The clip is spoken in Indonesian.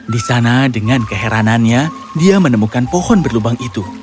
di sana dengan keheranannya dia menemukan pohon berlubang itu